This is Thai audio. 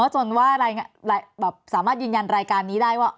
จนว่าสามารถยืนยันรายการนี้ได้ว่า